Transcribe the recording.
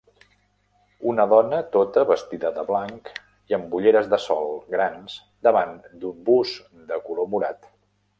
Una dona tota vestida de blanc i amb ulleres de sol grans davant d'un bus de color morat.